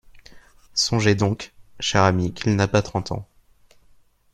Songez donc, chère amie, qu'il n'a pas trente ans.